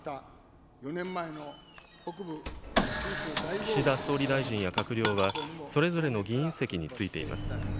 岸田総理大臣や閣僚は、それぞれの議員席に着いています。